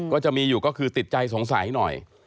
ก็จะมีอยู่ก็คือติดใจสงสัยหน่อย